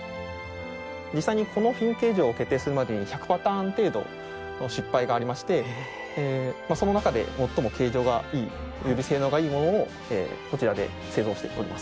実際にこのフィン形状を決定するまでに１００パターン程度失敗がありましてその中で最も形状がいいより性能がいいものをこちらで製造しております。